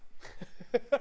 ハハハハ！